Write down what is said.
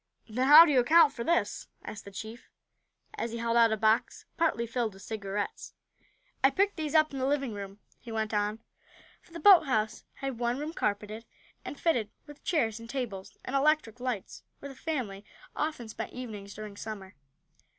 "Then how do you account for this?" asked the chief, as he held out a box partly filled with cigarettes. "I picked these up in the living room," he went on, for the boathouse had one room carpeted, and fitted with chairs and tables, and electric lights where the family often spent evenings during Summer.